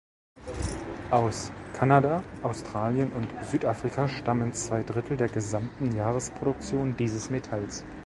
Aus Kanada, Australien und Südafrika stammen zwei Drittel der gesamten Jahresproduktion dieses Metalls.